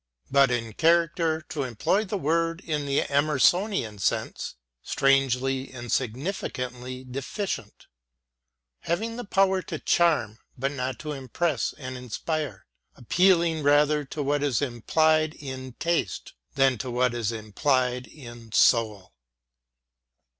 But in character, to employ the word in the Emersonian sense, strangely and signally deficient, having the power to charm but not to impress and inspire, appealing rather to what is implied in " taste " than to what is implied in " soul."